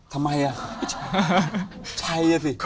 ทำไมอ่ะใช่อ่ะสิ